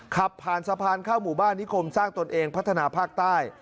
ขับผ่านสะพานเข้าหมู่บ้านนิคมสร้างตนเองพัฒนาภาคใต้